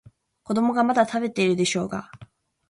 子供がまだ食べてるでしょうが。